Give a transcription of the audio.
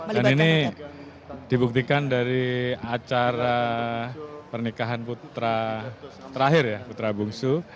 dan ini dibuktikan dari acara pernikahan putra terakhir ya putra bungsu